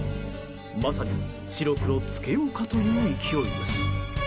まさに白黒つけようかという勢いです。